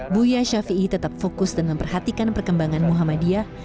buya shafi'i tetap fokus dan memperhatikan perkembangan muhammadiyah